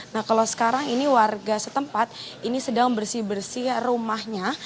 nah kalau sekarang ini warga setempat ini sedang bersih bersih rumahnya